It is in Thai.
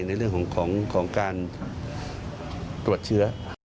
ในเรื่องของการตรวจเชื้อ